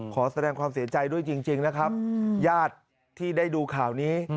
ขอแสดงความเสียใจด้วยจริงนะครับญาติที่ได้ดูข่าวนี้